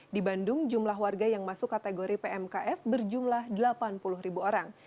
di bandung jumlah warga yang masuk kategori pmks berjumlah delapan puluh ribu orang